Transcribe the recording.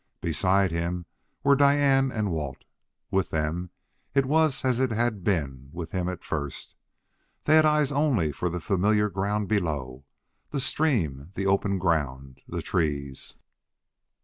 Beside him were Diane and Walt. With them, it was as it had been with him at first. They had eyes only for the familiar ground below: the stream, the open ground, the trees....